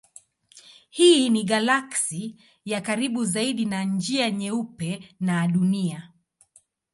Hii ni galaksi ya karibu zaidi na Njia Nyeupe na Dunia.